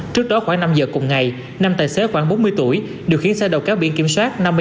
trước đó khoảng năm giờ cùng ngày năm tài xế khoảng bốn mươi tuổi điều khiến xe đầu cáo biển kiểm soát